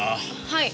はい。